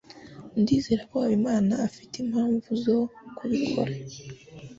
Ndizera ko Habimana afite impamvu zo kubikora.